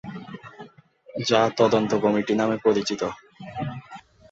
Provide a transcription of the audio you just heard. যা তদন্ত কমিটি নামে পরিচিত।